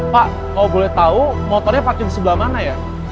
pak kalo boleh tau motornya pake disebelah mana ya